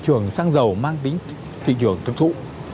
thị trường xăng dầu mang tính thị trường thực thụ